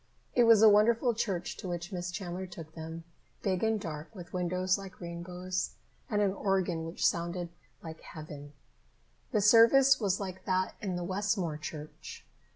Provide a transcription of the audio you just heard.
It was a wonderful church to which Miss Chandler took them, big and dark, with windows like rainbows, and an organ which sounded like heaven. The service was like that in the Westmore church.